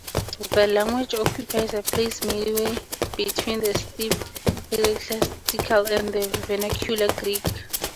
The language occupies a place midway between the stiff ecclesiastical and the vernacular Greek.